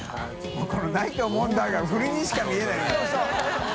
發この「ないと思うんだ」が振りにしか見えないよね。